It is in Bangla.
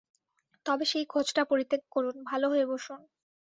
তবে সেই খোঁজটা পরিত্যাগ করুন, ভালো হয়ে বসুন।